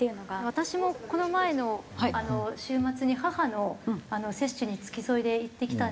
私もこの前の週末に母の接種に付き添いで行ってきたんですね。